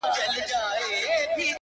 لونگيه دا خبره دې سهې ده؛